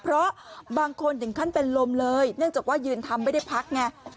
เพราะบางคนถึงขั้นเป็นลมเลยเนื่องจากว่ายืนทำไม่ได้พักไง